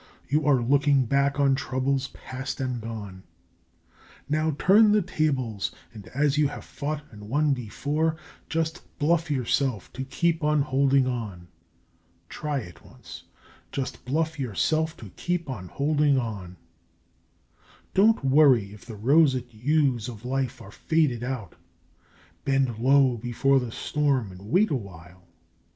You are looking back on troubles past and gone; Now, turn the tables, and as you have fought and won before, Just BLUFF YOURSELF to keep on holding on! (Try it once.) Just bluff YOURSELF to keep on holding on. Don't worry if the roseate hues of life are faded out, Bend low before the storm and wait awhile.